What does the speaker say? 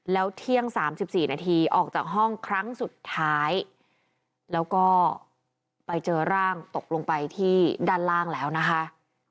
แล้วเที่ยง๓๔นาทีออกจากห้องครั้งสุดท้ายแล้วก็ไปเจอร่างตกลงไปที่ด้านล่างแล้วนะคะ